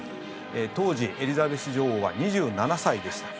当時、エリザベス女王は２７歳でした。